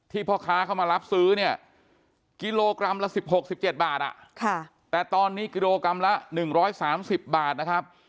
พ่อค้าเข้ามารับซื้อเนี่ยกิโลกรัมละ๑๖๑๗บาทแต่ตอนนี้กิโลกรัมละ๑๓๐บาทนะครับ